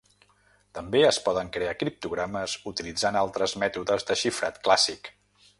També es poden crear criptogrames utilitzant altres mètodes de xifrat clàssic.